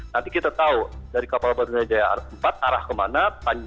nanti kita tahu dari kapal barunajaya empat arah kemana